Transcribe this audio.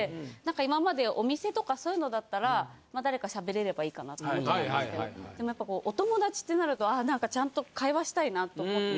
今までお店とかそういうのだったらまあ誰かしゃべれればいいかなと思ってたんですけどでもやっぱお友達ってなるとちゃんと会話したいなと思って。